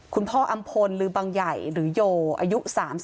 อ้อำพลหรือบังใหญ่หรือโยอายุ๓๒